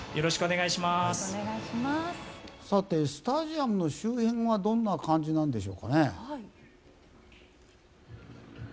さてスタジアムの周辺はどんな感じなんでしょうかね。